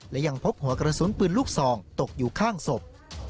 และยังพบหัวกระสุนปืนลูกซองตกอยู่ข้างศพ